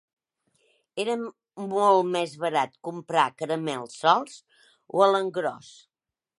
Era molt més barat comprar caramels solts o a l'engròs.